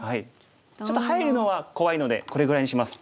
ちょっと入るのは怖いのでこれぐらいにします。